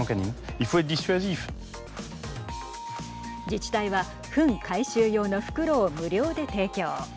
自治体は、ふん回収用の袋を無料で提供。